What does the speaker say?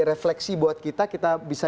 refleksi buat kita kita bisa